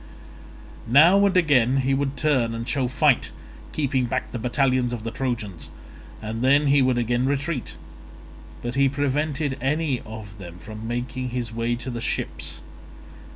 Now and again he would turn and show fight, keeping back the battalions of the Trojans, and then he would again retreat; but he prevented any of them from making his way to the ships.